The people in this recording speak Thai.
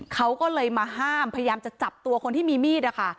เขาก็เลยมาห้ามพยายามจะจับตัวคนที่มีมีดนะคะ